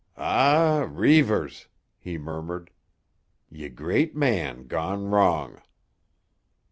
"Ah, Reivers!" he murmured. "Ye great man gone wrong!